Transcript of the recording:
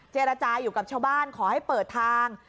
เจรจาอยู่กับชาวบ้านขอให้เปิดทาง